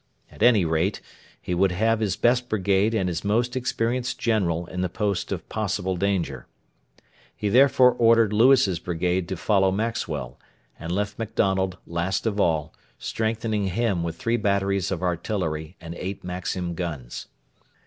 At any rate, he would have his best brigade and his most experienced general in the post of possible danger. He therefore ordered Lewis's brigade to follow Maxwell, and left MacDonald last of all, strengthening him with three batteries of artillery and eight Maxim guns.